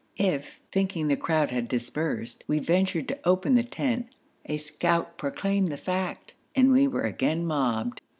If, thinking the crowd had dispersed, we ventured to open the tent, a scout proclaimed the fact, and we were again mobbed.